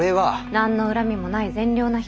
何の恨みもない善良な人に。